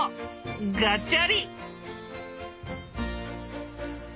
ガチャリ。